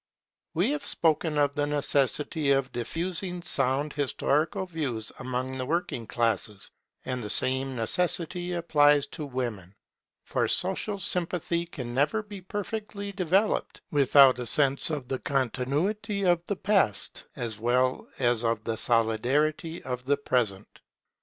We have spoken of the necessity of diffusing sound historical views among the working classes; and the same necessity applies to women; for social sympathy can never be perfectly developed, without a sense of the continuity of the Past, as well as of the solidarity of the Present.